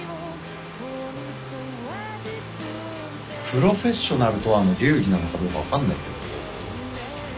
プロフェッショナルとはの流儀なのかもよく分かんないけど。